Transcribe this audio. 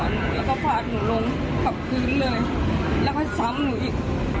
แล้วก็ฝาดหนูลงกับพื้นเลยแล้วก็ซ้ำหนูอีก